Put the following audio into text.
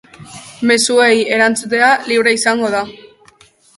Mezuei erantzutea libre izango da.